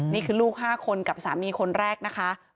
นี่คือลูก๕คนกับสามีคนแรกนะคะ